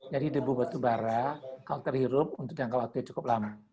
jadi debu batubara kalau terhirup untuk jangkau waktu cukup lama